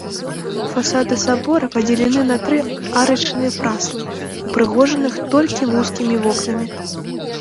Фасады сабора падзелены на тры арачныя праслы, упрыгожаных толькі вузкімі вокнамі.